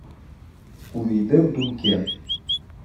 Увійди в думки...